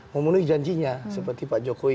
memenuhi janjinya seperti pak jokowi